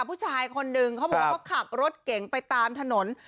ผู้ชายคนนึงเขาก็ขับรถเก่งไปตามถนน